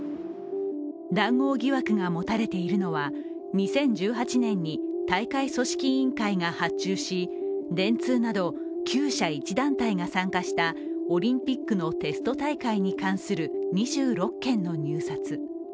談合疑惑が持たれているのは２０１８年に大会組織委員会が発注し電通など９社１団体が参加したオリンピックのテスト大会に関する２６件の入札。